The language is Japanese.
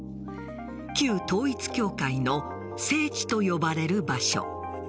旧統一教会の聖地と呼ばれる場所。